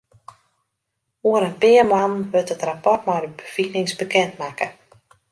Oer in pear moannen wurdt it rapport mei de befinings bekend makke.